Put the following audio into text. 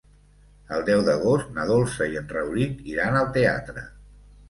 El deu d'agost na Dolça i en Rauric iran al teatre.